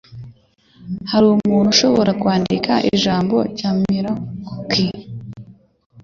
hari umuntu ushobora kwandika ijambo Jamiroquai?